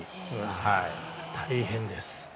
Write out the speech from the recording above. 大変です。